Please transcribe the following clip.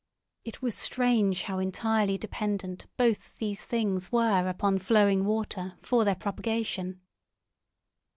It was strange how entirely dependent both these things were upon flowing water for their propagation.